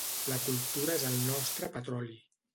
La cultura és el nostre petroli